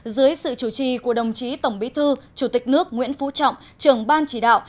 dưới sự chủ trì của đồng chí tổng bí thư chủ tịch nước nguyễn phú trọng trưởng ban chỉ đạo